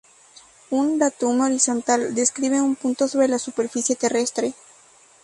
Un datum horizontal describe un punto sobre la superficie terrestre.